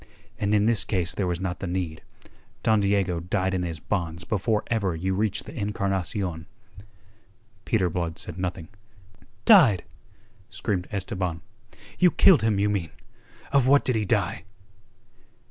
"And in this case there was not the need. Don Diego died in his bonds before ever you reached the Encarnacion." Peter Blood said nothing. "Died?" screamed Esteban. "You killed him, you mean. Of what did he die?"